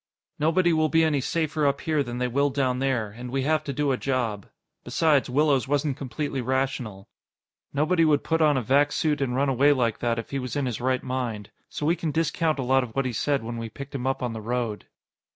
Nobody will be any safer up here than they will down there, and we have to do a job. Besides, Willows wasn't completely rational. Nobody would put on a vac suit and run away like that if he was in his right mind. So we can discount a lot of what he said when we picked him up on the road.